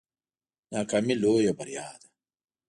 ناکامي لویه بریا ده